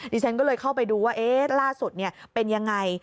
ดิเซ็นต์ก็เลยเข้าไปดูว่าเอ๊ะล่าสุดเป็นอย่างไร